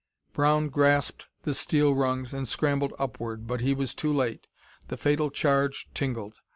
Brown grasped the steel rungs and scrambled upward, but he was too late. The fatal charge tingled.